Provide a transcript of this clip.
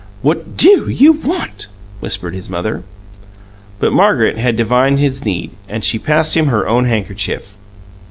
"What DO you want?" whispered his mother. But Margaret had divined his need, and she passed him her own handkerchief.